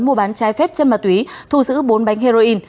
mua bán trái phép chân ma túy thu giữ bốn bánh heroin